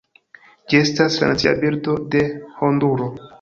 Ĝi estas la nacia birdo de Honduro.